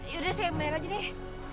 yaudah saya merah aja deh